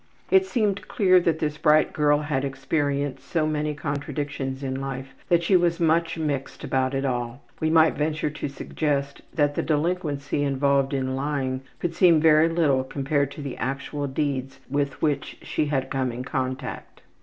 It seemed clear that this bright girl had experienced so many contradictions in life that she was much mixed about it all. We might venture to suggest that the delinquency involved in lying could seem very little compared to the actual deeds with which she had come in contact.